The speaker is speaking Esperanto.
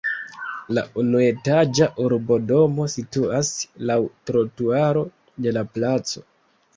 La unuetaĝa urbodomo situas laŭ trotuaro de la placo.